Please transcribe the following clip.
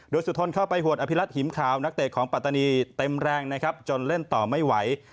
โดยสุทนเข้าไปหวดอภิรัตหิมขาวนักเตะของปัตตานีเต็มแรงนะครับจนเล่นต่อไม่ไหว